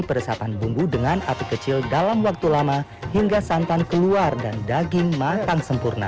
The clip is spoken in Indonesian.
peresapan bumbu dengan api kecil dalam waktu lama hingga santan keluar dan daging matang sempurna